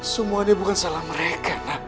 semuanya bukan salah mereka